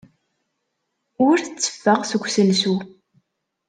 Ur tteffeɣ seg usensu.